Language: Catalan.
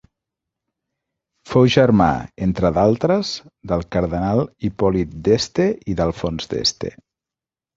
Fou germà, entre d'altres, del cardenal Hipòlit d'Este i d'Alfons d'Este.